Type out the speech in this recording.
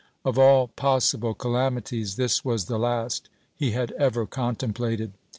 Of all possible calamities, this was the last he had ever contemplated.